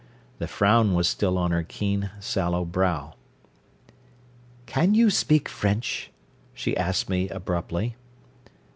The frown was still on her keen, sallow brow. "Can you speak French?" she asked me abruptly.